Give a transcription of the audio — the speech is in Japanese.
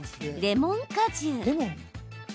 レモン果汁。